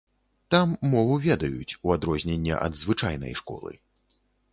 Там мову ведаюць, у адрозненне ад звычайнай школы.